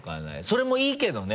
それもいいけどね